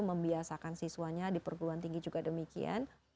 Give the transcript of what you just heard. membiasakan siswanya di perguruan tinggi juga demikian